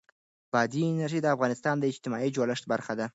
بادي انرژي د افغانستان د اجتماعي جوړښت برخه ده.